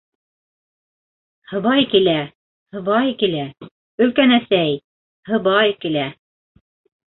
— Һыбай килә, һыбай килә, өлкән әсәй, һыбай килә!